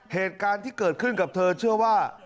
เหตุการณ์ที่เกิดขึ้นกับเธอเชื่อว่า